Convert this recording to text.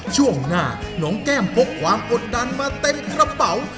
ช่วงหน้าน้องแก้มพกความกดดันมาเต็มกระเป๋า